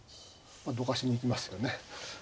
どかしに行きますよね。